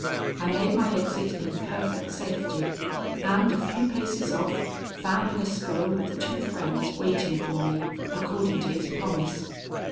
I made my exit in perfect safety, and, a few paces off, found Lescaut with two friends waiting for me, according to his promise.